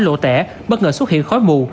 lộ tẻ bất ngờ xuất hiện khói mù